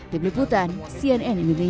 di belitung cnn indonesia